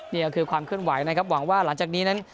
นี่ก็คือความเคลื่อนไหวนะครับหวังว่าหลังจากนี้นั้น